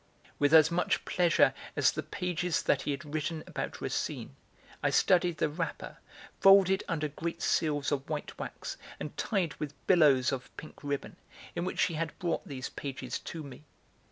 With as much pleasure as the pages that he had written about Racine, I studied the wrapper, folded under great seals of white wax and tied with billows of pink ribbon, in which she had brought those pages to me.